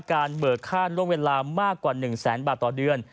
เบิกค่าล่วงเวลามากกว่า๑แสนบาทต่อเดือน